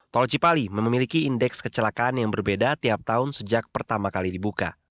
tol cipali memiliki indeks kecelakaan yang berbeda tiap tahun sejak pertama kali dibuka